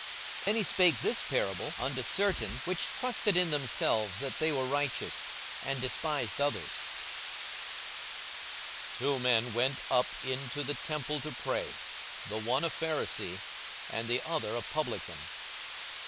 42:018:009 And he spake this parable unto certain which trusted in themselves that they were righteous, and despised others: 42:018:010 Two men went up into the temple to pray; the one a Pharisee, and the other a publican.